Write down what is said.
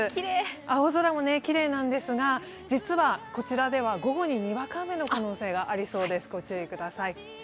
青空もきれいなんですが、実はこちらでは午後ににわか雨の可能性がありそうです、ご注意ください。